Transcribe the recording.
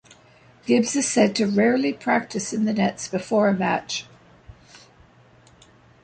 Gibbs is said to rarely practice in the nets before a match.